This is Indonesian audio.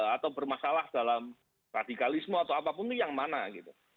atau bermasalah dalam radikalisme atau apapun itu yang mana gitu